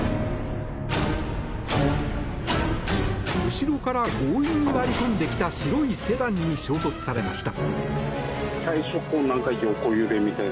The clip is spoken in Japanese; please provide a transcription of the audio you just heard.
後ろから強引に割り込んできた白いセダンに衝突されました。